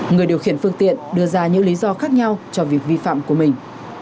người điều khiển phương tiện đưa ra những lý do khác nhau cho việc vi phạm của mình